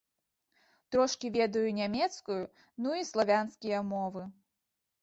Трошкі ведаю нямецкую, ну і славянскія мовы.